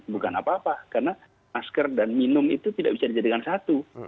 bukan apa apa karena masker dan minum itu tidak bisa dijadikan satu